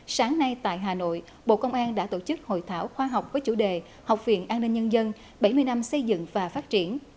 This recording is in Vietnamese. sáng nay tại hà nội bộ công an đã tổ chức hội thảo khoa học với chủ đề học viện an ninh nhân dân bảy mươi năm xây dựng và phát triển